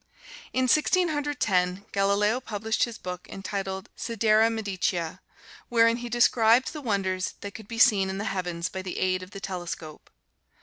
In Sixteen Hundred Ten, Galileo published his book entitled, "Sidera Medicea," wherein he described the wonders that could be seen in the heavens by the aid of the telescope.